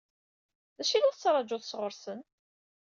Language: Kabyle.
D acu i la tettṛaǧuḍ sɣur-sen?